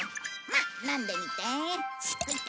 まあ飲んでみて。